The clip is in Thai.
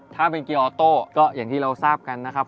ถ้าเป็นเกียร์ออโต้ก็อย่างที่เราทราบกันนะครับ